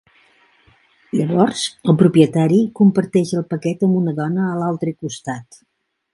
Llavors el propietari comparteix el paquet amb una dona a l'altre costat.